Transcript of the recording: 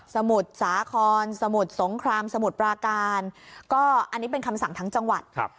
มุทรสาครสมุทรสงครามสมุทรปราการก็อันนี้เป็นคำสั่งทั้งจังหวัดครับ